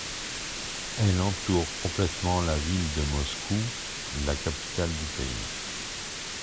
Elle entoure complètement la ville de Moscou, la capitale du pays.